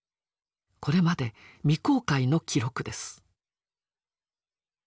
これまで未公開の記録です。